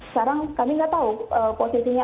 sekarang kami nggak tahu posisinya